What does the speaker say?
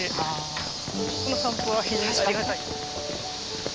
この散歩は非常にありがたい。